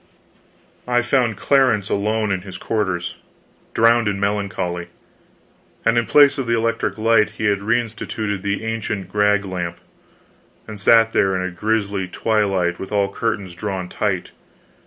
I found Clarence alone in his quarters, drowned in melancholy; and in place of the electric light, he had reinstituted the ancient rag lamp, and sat there in a grisly twilight with all curtains drawn tight.